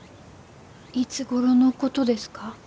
いつごろのことですか？